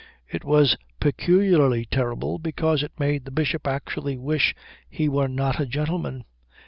And it was peculiarly terrible because it made the Bishop actually wish he were not a gentleman.